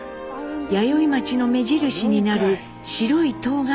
弥生町の目印になる白い塔が見えます。